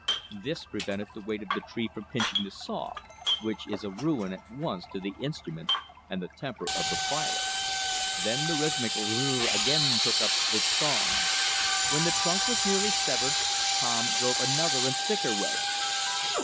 This prevented the weight of the tree from pinching the saw, which is a ruin at once to the instrument and the temper of the filer. Then the rhythmical z z z! z z z! again took up its song. When the trunk was nearly severed, Tom drove another and thicker wedge.